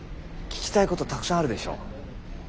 聞きたいことたくさんあるでしょう？